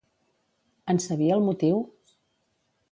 En sabia el motiu?